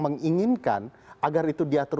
menginginkan agar itu diatur